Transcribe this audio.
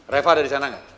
reva ada di sana nggak